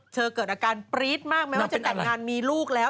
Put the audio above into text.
เกิดอาการปรี๊ดมากแม้ว่าจะแต่งงานมีลูกแล้ว